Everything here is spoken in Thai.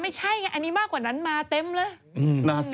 อุ๋มันต้องกระจุยมาเต็มน่ะ